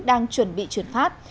đang chuẩn bị chuyển phát